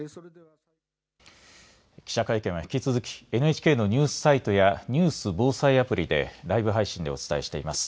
記者会見は引き続きＮＨＫのニュースサイトやニュース防災アプリでライブ配信でお伝えしています。